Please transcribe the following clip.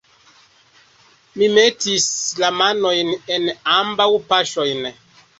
Mi metis la manojn en ambaŭ poŝojn.